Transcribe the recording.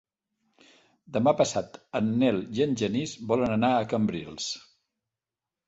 Demà passat en Nel i en Genís volen anar a Cambrils.